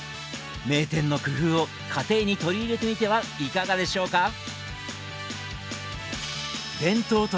名店の工夫を家庭に取り入れてみてはいかがでしょうか？